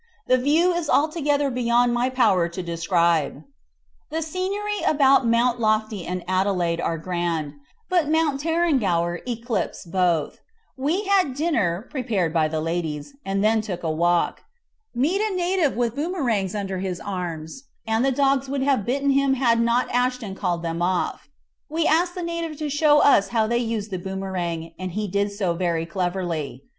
The view is altogether beyond my power to describe. The scenery about Mount Lofty and Adelaide are grand, but Mount Tarrangower eclipses both. We had dinner, prepared by the ladies, and then took a walk. Met a native with boomerangs under his arm, and the dogs would have bitten him had not Ashton called them off. We asked the native to show us how they used the boomerang, and he did so very cleverly.